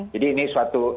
jadi ini suatu